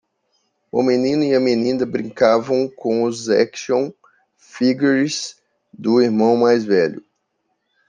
O menino e menina brincavam com os action figures do irmão mais velho.